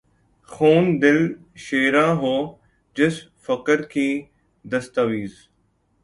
خون دل شیراں ہو، جس فقر کی دستاویز